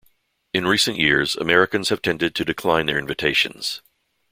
In recent years, Americans have tended to decline their invitations.